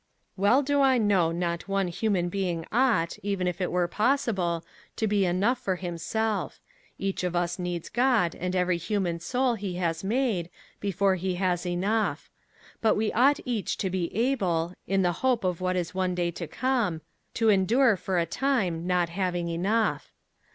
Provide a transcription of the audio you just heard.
Well do I know not one human being ought, even were it possible, to be enough for himself; each of us needs God and every human soul he has made, before he has enough; but we ought each to be able, in the hope of what is one day to come, to endure for a time, not having enough.